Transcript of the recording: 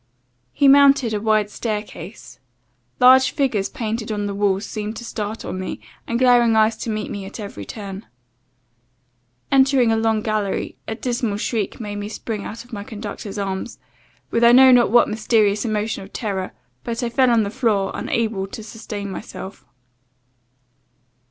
"He mounted a wide staircase. Large figures painted on the walls seemed to start on me, and glaring eyes to meet me at every turn. Entering a long gallery, a dismal shriek made me spring out of my conductor's arms, with I know not what mysterious emotion of terror; but I fell on the floor, unable to sustain myself.